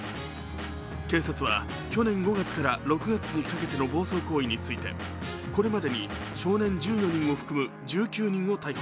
警察は去年５月から６月にかけての暴走行為についてこれまでに少年１４人を含む１９人を逮捕。